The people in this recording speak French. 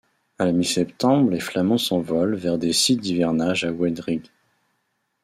À la mi-septembre les flamants s’envolent vers des sites d'hivernage à Oued Righ.